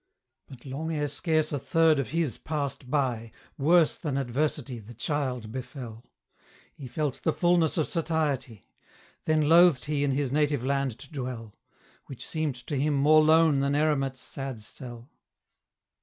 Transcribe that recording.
But long ere scarce a third of his passed by, Worse than adversity the Childe befell; He felt the fulness of satiety: Then loathed he in his native land to dwell, Which seemed to him more lone than eremite's sad cell.